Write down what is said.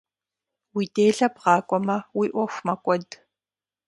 Уи делэ бгъэкIуэмэ, уи Iуэху мэкIуэд.